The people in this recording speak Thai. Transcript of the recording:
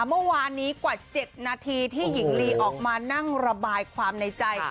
เมื่อวานนี้กว่า๗นาทีที่หญิงลีออกมานั่งระบายความในใจ